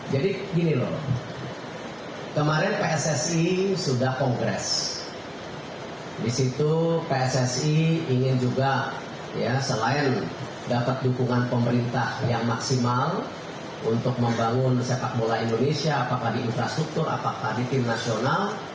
jadi gini loh kemarin pssi sudah kongres disitu pssi ingin juga selain dapat dukungan pemerintah yang maksimal untuk membangun sepak bola indonesia apakah di infrastruktur apakah di tim nasional